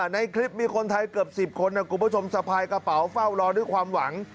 ในคลิปมีคนไทยเกือบ๑๐คนคุณผู้ชมสะพายกระเป๋าเฝ้ารอด้วยความหวัง